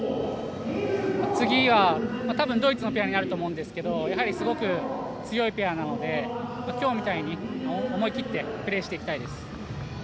次は多分ドイツのペアになると思うんですけどやはりすごく強いペアなので今日みたいに思い切ってプレーしていきたいです。